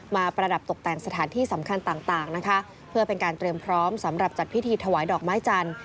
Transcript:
ประดับตกแต่งสถานที่สำคัญต่างนะคะเพื่อเป็นการเตรียมพร้อมสำหรับจัดพิธีถวายดอกไม้จันทร์